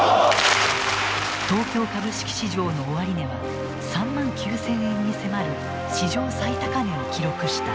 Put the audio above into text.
東京株式市場の終値は３万９，０００円に迫る史上最高値を記録した。